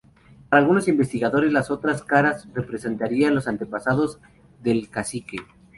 Para algunos investigadores las otras caras representarían los antepasados del cacique.